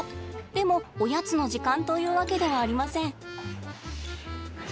でもおやつの時間というわけではありません。